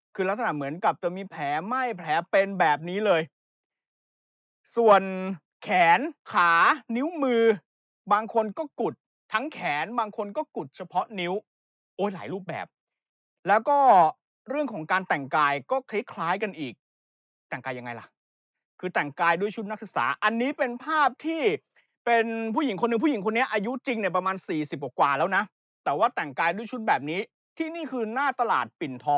คือลักษณะเหมือนกับจะมีแผลไหม้แผลเป็นแบบนี้เลยส่วนแขนขานิ้วมือบางคนก็กุดทั้งแขนบางคนก็กุดเฉพาะนิ้วโอ้ยหลายรูปแบบแล้วก็เรื่องของการแต่งกายก็คล้ายคล้ายกันอีกแต่งกายยังไงล่ะคือแต่งกายด้วยชุดนักศึกษาอันนี้เป็นภาพที่เป็นผู้หญิงคนหนึ่งผู้หญิงคนนี้อายุจริงเนี้ยประมาณสี่สิ